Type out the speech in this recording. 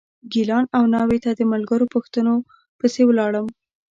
ګیلان او ناوې ته د ملګرو پوښتنو پسې ولاړم.